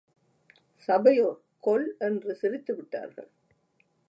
சபையோர் கொல் வென்று சிரித்து விட்டார்கள்.